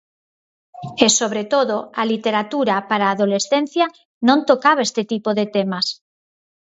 E sobre todo a literatura para a adolescencia non tocaba este tipo de temas.